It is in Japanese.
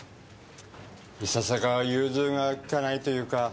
いささか融通が利かないというか。